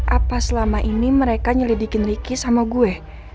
apa selama ini mereka nyelidikin ricky sama gue